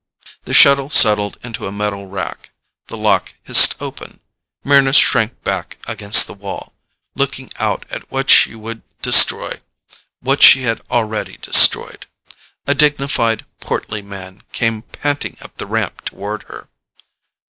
The shuttle settled into a metal rack. The lock hissed open. Mryna shrank back against the wall, looking out at what she would destroy what she had already destroyed. A dignified, portly man came panting up the ramp toward her.